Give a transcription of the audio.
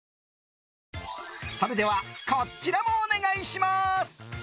それではこちらもお願いします。